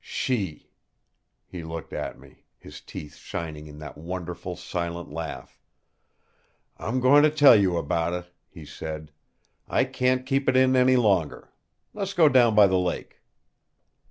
"She!" He looked at me, his teeth shining in that wonderful silent laugh. "I'm going to tell you about it," he said. "I can't keep it in any longer. Let's go down by the lake."